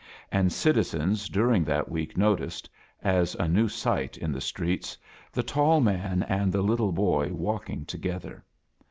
And citizens during, that week noticed, as a new sight in the streets, the tall man and the little boy walk ing together.